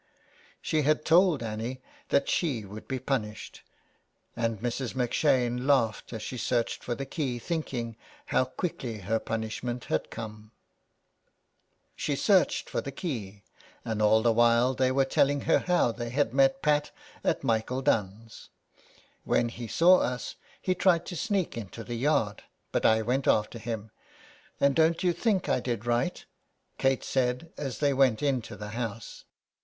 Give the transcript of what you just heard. She had told Annie that she would be punished, and Mrs. M'Shane laughed as she searched for the key, thinking how quickly her punishment had come. 75 SOME PARISHIONERS. She searched for the key, and all the while they were telling her how they had met Pat at Michael Dunne's. " When he saw us he tried to sneak into the yard ; but I went after him. And don't you think I did right ?" Kate said, as they went into the house.